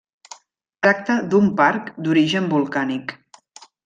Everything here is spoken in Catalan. Es tracta d'un parc d'origen volcànic.